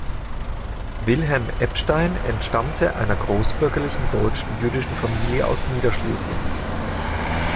Wilhelm Ebstein entstammte einer großbürgerlichen deutschen jüdischen Familie aus Niederschlesien.